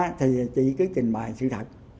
xích ra thì chỉ cứ trình bày sự thật